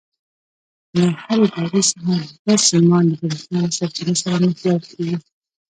له هرې دورې څخه دوه سیمان د برېښنا له سرچینې سره نښلول کېږي.